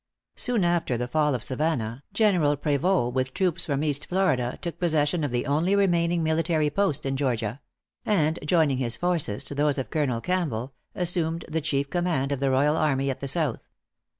Soon after the fall of Savannah, General Prevost, with troops from East Florida, took possession of the only remaining military post in Georgia; and joining his forces to those of Colonel Campbell, assumed the chief command of the royal army at the South.